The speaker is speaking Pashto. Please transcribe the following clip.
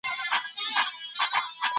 ولي بهرنۍ پانګونه په نړیواله کچه ارزښت لري؟